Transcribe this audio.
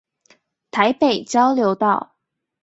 臺北交流道